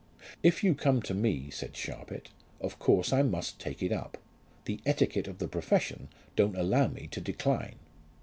"If you come to me," said Sharpit, "of course I must take it up. The etiquette of the profession don't allow me to decline."